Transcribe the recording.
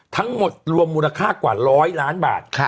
ทั้งหมดรวมมูลค่ากว่า๑๐๐ล้านบาท